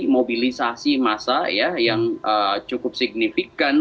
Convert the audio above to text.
mobilisasi massa yang cukup signifikan